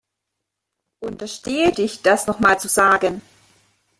Unterstehe dich das nochmal zu sagen.